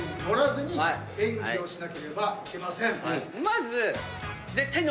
まず。